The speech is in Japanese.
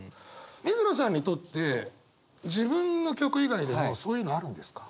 水野さんにとって自分の曲以外でもそういうのあるんですか？